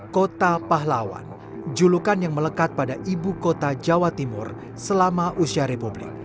kota pahlawan julukan yang melekat pada ibu kota jawa timur selama usia republik